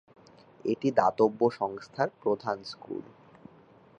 এটি দাতব্য সংস্থার প্রধান স্কুল।